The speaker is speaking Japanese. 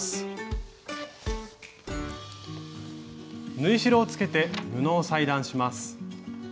縫い代をつけて布を裁断します。